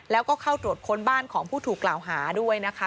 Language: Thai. แล้วก็เข้าตรวจค้นบ้านของผู้ถูกกล่าวหาด้วยนะคะ